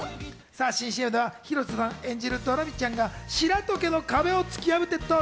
新ＣＭでは広瀬さん演じるドラミちゃんが白戸家の壁を突き破って登場。